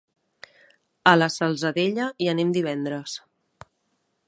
A la Salzadella hi anem divendres.